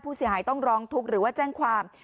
ผู้เสียหายต้องร้องทุกข์หรือว่าแจ้งความ